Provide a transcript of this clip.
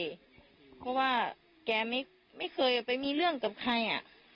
เพราะว่าแกไม่เคยไปมีเรื่องกับใคร